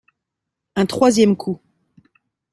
Un troisième coup.